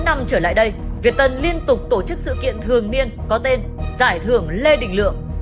sáu năm trở lại đây việt tân liên tục tổ chức sự kiện thường niên có tên giải thưởng lê đình lượng